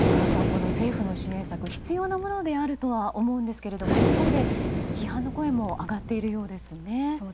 この政府の支援策必要なものとは思いますが一方で、批判の声も上がっているようですね。